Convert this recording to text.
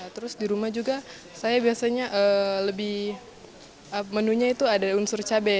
terus di rumah juga saya biasanya lebih menunya itu ada unsur cabai